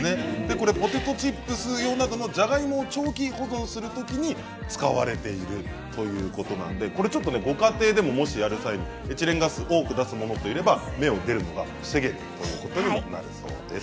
これポテトチップス用などのじゃがいもを長期保存する時に使われているということなんでこれちょっとねご家庭でももしやる際にエチレンガス多く出すものといれば芽を出るのが防げるということになるそうです。